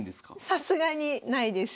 さすがにないです。